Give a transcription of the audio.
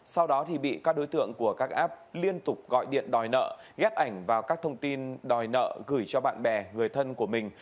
sau đó bị các đối tượng của các app liên tục gọi điện đòi nợ ghép ảnh vào các thông tin đòi nợ gửi cho bạn bè người thân của mình